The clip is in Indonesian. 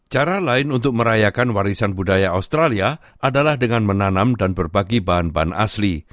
cara lain untuk merayakan warisan budaya australia adalah dengan menanam dan berbagi bahan bahan asli